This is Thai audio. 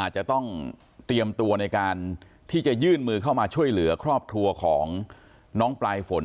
อาจจะต้องเตรียมตัวในการที่จะยื่นมือเข้ามาช่วยเหลือครอบครัวของน้องปลายฝน